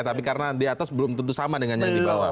tapi karena di atas belum tentu sama dengan yang di bawah